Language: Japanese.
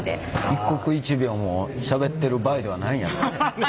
一刻一秒もしゃべってる場合ではないんやろうね。